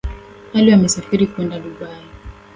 Alwi amesafiri kwenda dubai